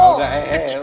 enggak eh eh eh